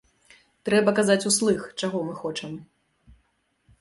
Трэба казаць услых, чаго мы хочам.